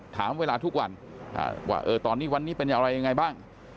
ถามเวลาทุกวันว่าตอนนี้วันนี้เป็นอะไรยังไงบ้าง